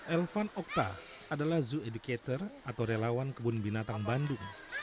elvan okta adalah zoo educator atau relawan kebun binatang bandung